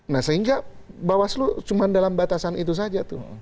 nah sehingga bawaslu cuma dalam batasan itu saja tuh